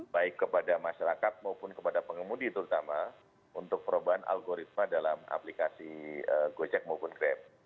baik kepada masyarakat maupun kepada pengemudi terutama untuk perubahan algoritma dalam aplikasi gojek maupun grab